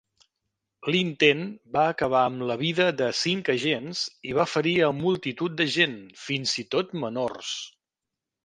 L'intent va acabar amb la vida de cinc agents i va ferir a multitud de gent, fins i tot menors.